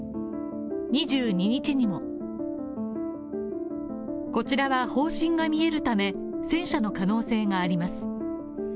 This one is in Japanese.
２２日にも、こちらは砲身が見えるため戦車の可能性があります。